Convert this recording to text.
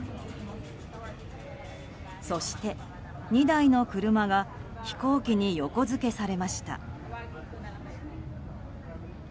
そして２台の車が飛行機に横付けされました。